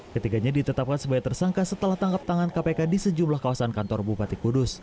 ketiganya ditetapkan sebagai tersangka setelah tangkap tangan kpk di sejumlah kawasan kantor bupati kudus